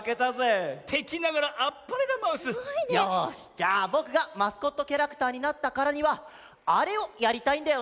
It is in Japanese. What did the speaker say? よしじゃあぼくがマスコットキャラクターになったからにはあれをやりたいんだよね。